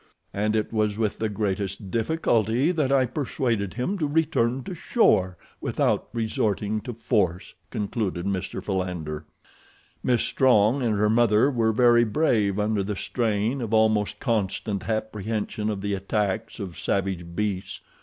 And it was with the greatest difficulty that I persuaded him to return to shore, without resorting to force," concluded Mr. Philander. Miss Strong and her mother were very brave under the strain of almost constant apprehension of the attacks of savage beasts.